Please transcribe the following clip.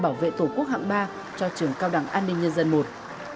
bảo vệ thủ quốc hạng ba cho trường cao đảng an ninh nhân dân i